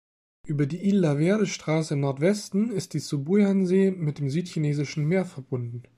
Über die Isla-Verde-Straße, im Nordwesten, ist die Sibuyan-See mit dem Südchinesischen Meer verbunden.